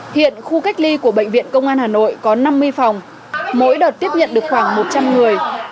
hiện khu cách ly của bệnh viện công an hà nội có năm mươi phòng mỗi đợt tiếp nhận được khoảng một trăm linh người